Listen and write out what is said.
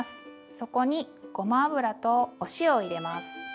そこにごま油とお塩を入れます。